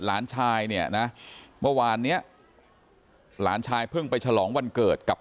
หลานชายเนี่ยนะเมื่อวานเนี้ยหลานชายเพิ่งไปฉลองวันเกิดกับ